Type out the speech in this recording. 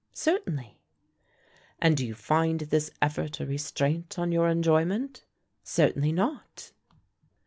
"Certainly." "And do you find this effort a restraint on your enjoyment?" "Certainly not."